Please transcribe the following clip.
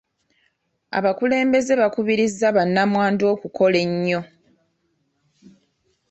Abakulembeze bakubirizza ba nnamwandu okukola ennyo.